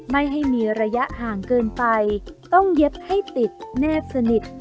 ไม่ให้มีระยะห่างเกินไปต้องเย็บให้ติดแนบสนิท